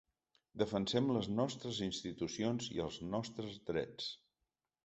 Defensem les nostres institucions i els nostres drets.